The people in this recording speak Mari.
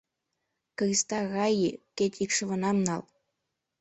— Криста райи, кеч икшывынам нал!